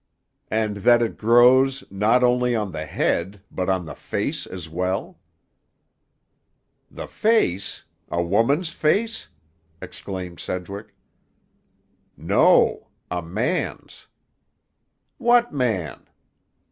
"And that it grows, not only on the head, but on the face as well?" "The face! A woman's face?" exclaimed Sedgwick. "No; a man's." "What man?"